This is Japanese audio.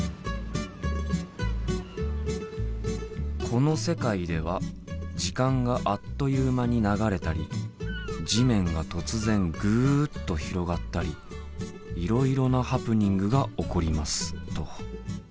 「この世界では時間があっという間に流れたり地面が突然ぐっと広がったりいろいろなハプニングが起こります」と。